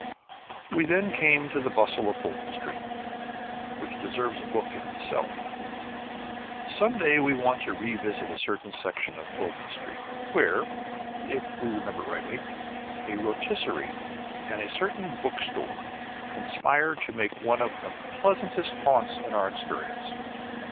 We then came to the bustle of Fulton Street, which deserves a book in itself. Some day we want to revisit a certain section of Fulton Street where (if we remember rightly) a rotisserie and a certain bookstore conspire to make one of the pleasantest haunts in our experience.